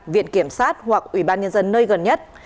viện kiểm sát hoặc ủy ban nhân dân nơi gần nhất